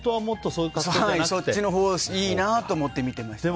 そっちのほうがいいなと思ってみていました。